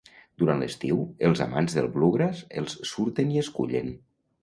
Durant l'estiu, els amants del bluegrass els surten i escullen.